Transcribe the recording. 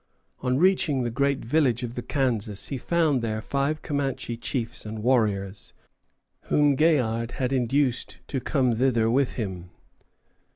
On reaching the great village of the Kansas he found there five Comanche chiefs and warriors, whom Gaillard had induced to come thither with him.